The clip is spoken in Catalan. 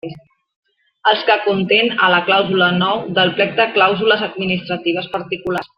Els que conten a la clàusula nou del plec de clàusules administratives particulars.